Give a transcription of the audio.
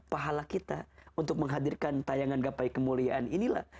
pahala kita untuk menghadirkan tayangan gapai kemuliaan inilah